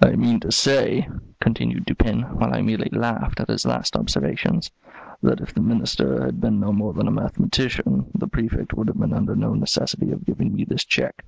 "I mean to say," continued Dupin, while I merely laughed at his last observations, "that if the Minister had been no more than a mathematician, the Prefect would have been under no necessity of giving me this check.